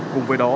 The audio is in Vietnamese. cùng với đó